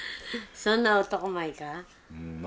そんな男前かな？